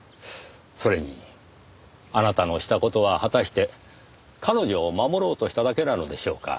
それにあなたのした事は果たして彼女を守ろうとしただけなのでしょうか？